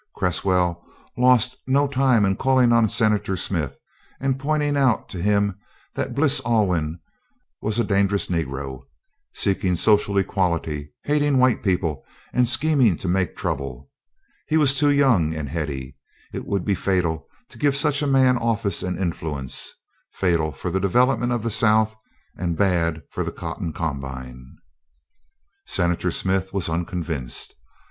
Cresswell lost no time in calling on Senator Smith and pointing out to him that Bles Alwyn was a dangerous Negro: seeking social equality, hating white people, and scheming to make trouble. He was too young and heady. It would be fatal to give such a man office and influence; fatal for the development of the South, and bad for the Cotton Combine. Senator Smith was unconvinced.